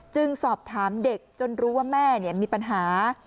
สอบถามเด็กจนรู้ว่าแม่มีปัญหา